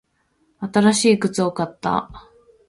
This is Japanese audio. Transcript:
新しい靴を買った。